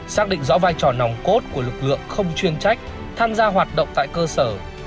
xác định rõ vai trò nòng cốt của lực lượng không chuyên trách tham gia hoạt động tại cơ sở